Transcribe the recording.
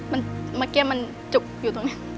เมื่อกี้มันจุกอยู่ตรงนี้